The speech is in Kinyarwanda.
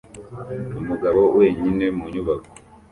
umugabo wenyine mu nyubako